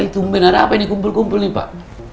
ini tumpen ada apa ini kumpul kumpul nih pak